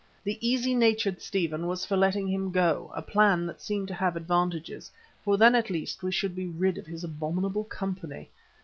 The easy natured Stephen was for letting him go, a plan that seemed to have advantages, for then at least we should be rid of his abominable company.